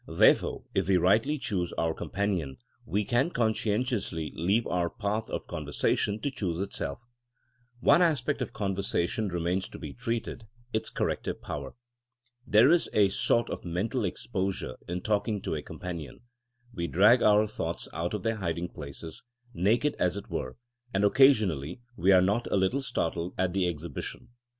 Therefore if we rightly choose our com panion we can conscientiously leave our path of conversation to choose itself. One aspect of conversation remains to be 134 THlNKINa AS A SCIENCE treated — ^its corrective power. There is a sort of mental exposure in talking to a companion; we drag our thoughts out of their hiding places, naked as it were, and occasionally we are not a little startled at the exhibition.